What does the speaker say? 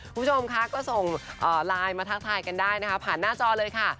คุณผู้ชมค่ะก็ส่งไลน์มาทักทายกันได้นะคะผ่านหน้าจอเลยค่ะ